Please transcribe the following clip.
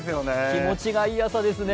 気持ちがいい朝ですね。